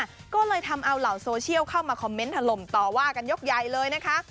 ก็เลยทำเอาเหล่าโซเชียลเข้ามาคอมเมนต์ถล่มต่อว่ากันยกใหญ่เลยนะคะ